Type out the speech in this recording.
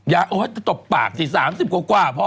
อย่ามาจะตบปากสิ๓๐กว่าพอ